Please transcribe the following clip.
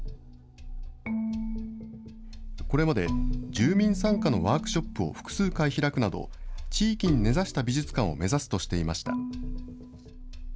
これまで住民参加のワークショップを複数回開くなど、地域に根ざした美術館を目指すとしていました。